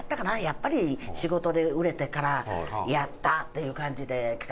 やっぱり仕事で売れてからやった！っていう感じで来た。